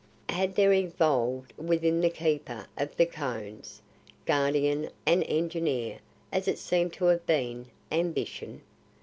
Had there evolved within the Keeper of the Cones guardian and engineer as it seemed to have been ambition?